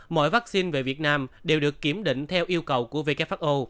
mọi vaccine về việt nam đều được kiểm định theo yêu cầu của who